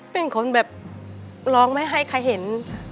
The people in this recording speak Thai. เป็นคนแบบร้องไม่ให้ใครเห็น